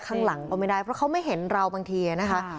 ข้างหลังก็ไม่ได้เพราะเขาไม่เห็นเราบางทีนะคะ